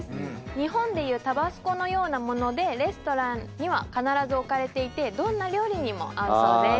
日本でいうタバスコのようなものでレストランには必ず置かれていてどんな料理にも合うそうです